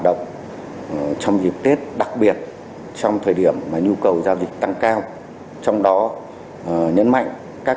động trong dịp tết đặc biệt trong thời điểm mà nhu cầu giao dịch tăng cao trong đó nhấn mạnh các